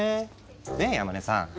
ねえ山根さん。